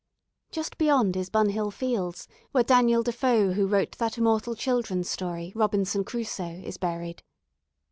"Just beyond is Bunhill Fields, where Daniel Defoe who wrote that immortal children's story 'Robinson Crusoe' is buried.